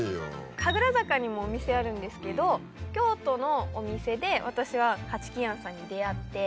神楽坂にもお店あるんですけど京都のお店で私は八起庵さんに出合って。